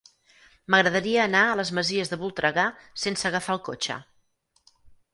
M'agradaria anar a les Masies de Voltregà sense agafar el cotxe.